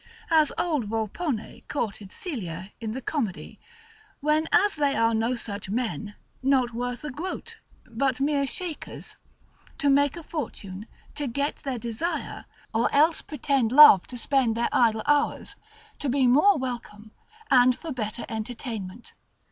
as old Volpone courted Celia in the comedy, when as they are no such men, not worth a groat, but mere sharkers, to make a fortune, to get their desire, or else pretend love to spend their idle hours, to be more welcome, and for better entertainment.